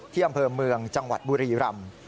อำเภอเมืองจังหวัดบุรีรำ